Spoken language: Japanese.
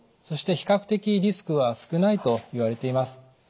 そして比較的リスクは少ないといわれています。